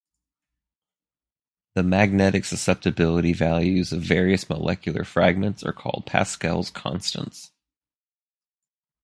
The magnetic susceptibility values of various molecular fragments are called Pascal's constants.